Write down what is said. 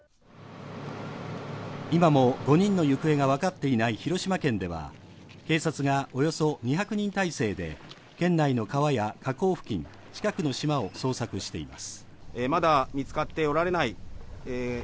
今も５人の行方がわかっていない広島県では、警察がおよそ２００人態勢で県内の川や河口付近、近くの島を捜索しています